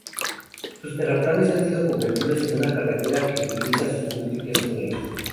Sus terraplenes han sido convertidos en una carretera que utiliza sus múltiples túneles.